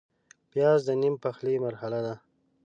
پیاز د نیم پخلي مرحله ده